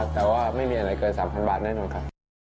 แต่ว่าไม่มีอะไรเกิน๓๐๐๐บาทแน่นอน